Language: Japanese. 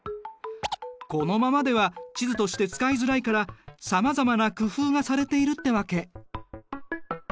このままでは地図として使いづらいからさまざまな工夫がされているってわけ。